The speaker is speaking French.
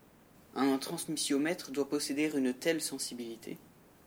Un transmissiomètre doit posséder une telle sensibilité.